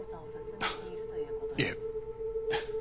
いえ。